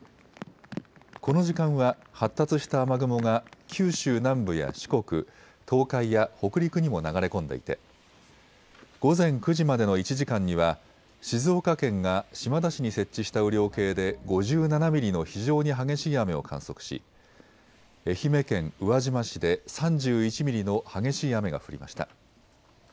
この時間は発達した雨雲が九州南部や四国、東海や北陸にも流れ込んでいて午前９時までの１時間には静岡県が島田市に設置した雨量計で５７ミリの非常に激しい雨を観測し愛媛県宇和島市で３１ミリの激しい雨が降りました。